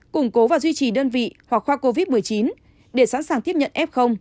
củng cố và duy trì đơn vị hoặc khoa covid một mươi chín để sẵn sàng tiếp nhận f